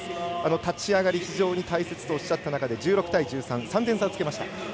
立ち上がり、非常に大切とおっしゃった中で１６対１３、３点差をつけました。